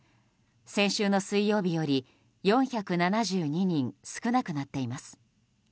先週の水曜日より４７２人少なくなっています。